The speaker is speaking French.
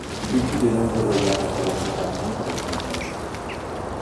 Il fit de nombreux voyages à travers toute la France avec son père.